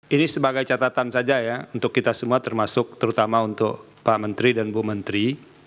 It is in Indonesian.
ini sebagai catatan saja ya untuk kita semua termasuk terutama untuk pak menteri dan bu menteri